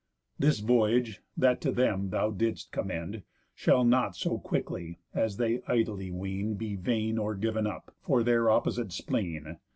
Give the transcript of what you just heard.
This voyage, that to them thou didst commend, Shall not so quickly, as they idly ween, Be vain, or giv'n up, for their opposite spleen.